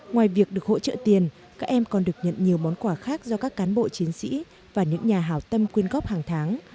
ngoài việc được hỗ trợ tiền các em còn được nhận nhiều món quà khác do các cán bộ chiến sĩ và những nhà hào tâm quyên góp hàng tháng